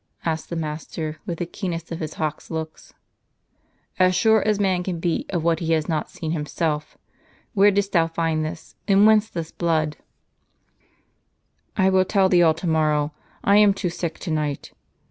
asked the master, with the keenest of his hawk's looks. " As sure as man can be of what he has not seen himself. Where didst thou find this ? And whence this blood ?"" I will tell thee all to morrow ; I am too sick to night.